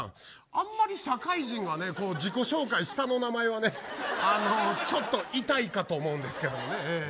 あまり社会人が自己紹介、下の名前というのはちょっとイタいかと思うんですけどね。